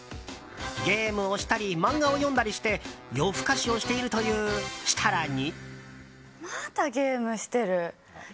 ゲームをしたり漫画を読んだりして夜更かしをしているという設楽に。